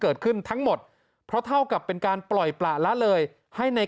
เกิดขึ้นทั้งหมดเพราะเท่ากับเป็นการปล่อยปละละเลยให้ใน